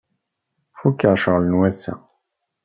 Fukeɣ ccɣel n wass-a.